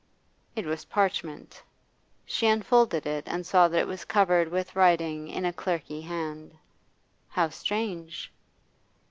It was parchment She unfolded it, and saw that it was covered with writing in a clerkly hand. How strange!